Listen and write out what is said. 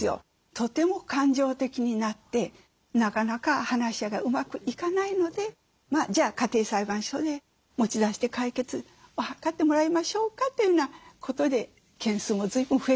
とても感情的になってなかなか話し合いがうまくいかないのでじゃあ家庭裁判所へ持ち出して解決を図ってもらいましょうかというようなことで件数も随分増えてますね。